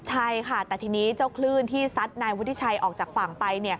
ใช่ค่ะแต่ทีนี้เจ้าคลื่นที่ซัดนายวุฒิชัยออกจากฝั่งไป